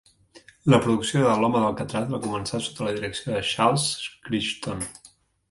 La producció de L'home d'Alcatraz va començar sota la direcció de Charles Crichton.